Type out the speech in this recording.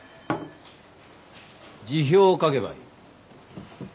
辞表を書けばいい。